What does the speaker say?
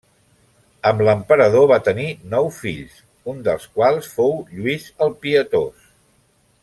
Amb l'emperador va tenir nou fills un dels quals fou Lluís el Pietós.